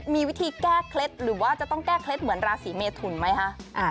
มีวิธีแก้เคล็ดหรือว่าจะต้องแก้เคล็ดเหมือนราศีเมทุนไหมคะ